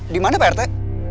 dimana pak rete